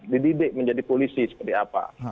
dididik menjadi polisi seperti apa